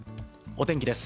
お天気です。